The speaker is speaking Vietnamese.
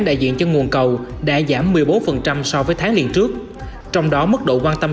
đại diện cho nguồn cầu đã giảm một mươi bốn so với tháng liền trước trong đó mức độ quan tâm